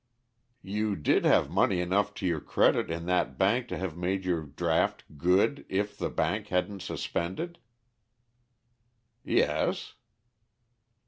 "You did have money enough to your credit in that bank to have made your draft good if the bank hadn't suspended?" "Yes."